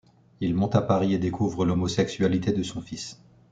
Il monte à Paris et découvre l’homosexualité de son fils.